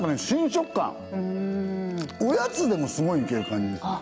新食感おやつでもすごいいける感じですね